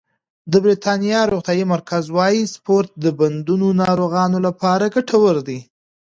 د بریتانیا روغتیايي مرکز وايي سپورت د بندونو ناروغانو لپاره ګټور دی.